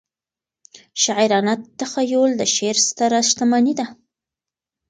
شاعرانه تخیل د شعر ستره شتمنۍ ده.